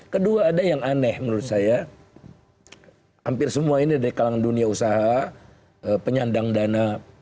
kedua ada yang aneh menurut saya hampir semua ini dari kalangan dunia usaha penyandang dana